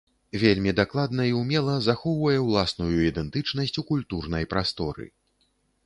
Вельмі дакладна і ўмела захоўвае ўласную ідэнтычнасць у культурнай прасторы.